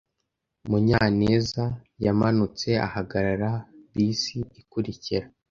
Munyanezyamanutse ahagarara bisi ikurikira.